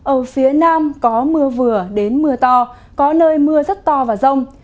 ở phía nam có mưa vừa đến mưa to có nơi mưa rất to và rông